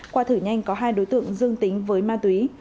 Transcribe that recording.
qua thử nhanh có hai đối tượng dương tính với ma túy